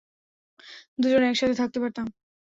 দুজনে একসাথে থাকতে পারতাম।